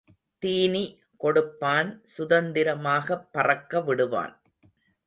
தீனி கொடுப்பான் சுதந்திரமாகப் பறக்க விடுவான்.